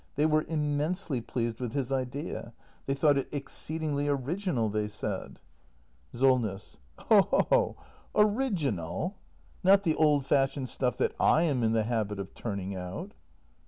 They were immensely pleased with his idea. They thought it exceedingly original, they said. 256 THE MASTER BUILDER [act i SOLNESS. Oho! Original! Not the old fashioned stuff that / am in the habit of turning out!